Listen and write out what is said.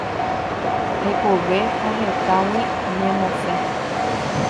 Hekove ha hetãgui ñemosẽ.